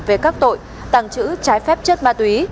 về các tội tăng chữ trái phép chất ma túy